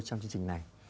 trong chương trình này